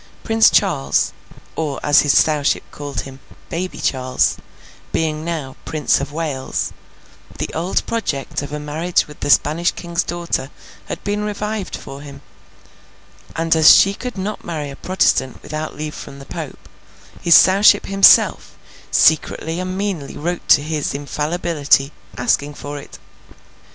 Prince Charles—or as his Sowship called him, Baby Charles—being now Prince of Wales, the old project of a marriage with the Spanish King's daughter had been revived for him; and as she could not marry a Protestant without leave from the Pope, his Sowship himself secretly and meanly wrote to his Infallibility, asking for it.